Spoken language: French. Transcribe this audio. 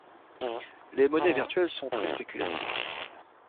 Les monnaies virtuelles sont très spéculatives.